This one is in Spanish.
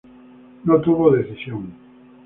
No tuvo decisión.